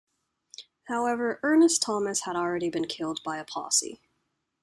However, Ernest Thomas had already been killed by a posse.